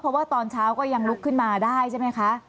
เพราะว่าตอนเช้าก็ยังลุกขึ้นมาได้ใช่ไหมคะ